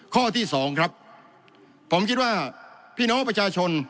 ข้อที่สองครับผมคิดว่าพี่น้องประชาชน